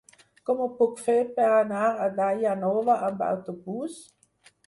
Com ho puc fer per anar a Daia Nova amb autobús?